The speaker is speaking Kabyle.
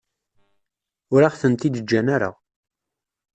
Ur aɣ-tent-id-ǧǧan ara.